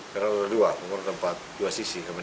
peralur dua umur tempat dua sisi kami diberikan